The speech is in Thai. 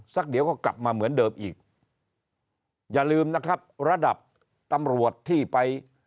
เดี๋ยวก็กลับมาเหมือนเดิมอีกอย่าลืมนะครับระดับตำรวจที่ไป